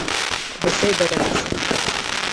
— Бесәй бәрәмәсе!